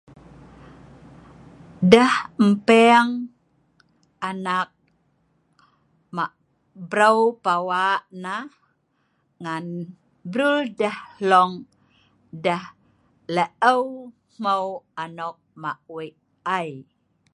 Deh empeng anak mah' breu pawa' nah ngan brul deh hlong deh laeu' hmeu anok mah' wei' ai.